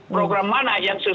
program mana yang selalu